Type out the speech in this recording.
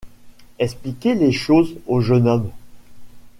expliquer les choses au jeune homme.